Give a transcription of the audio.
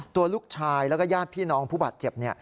ตัวลูกชายแล้วก็ญาติพี่น้องผู้บาดเจ็บ